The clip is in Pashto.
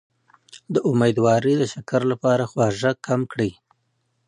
د امیدوارۍ د شکر لپاره خواږه کم کړئ